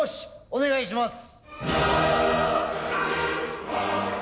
お願いします！